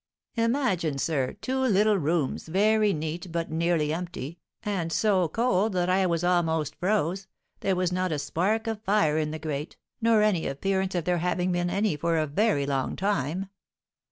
"Imagine, sir, two little rooms, very neat, but nearly empty, and so cold that I was almost froze; there was not a spark of fire in the grate, nor any appearance of there having been any for a very long time.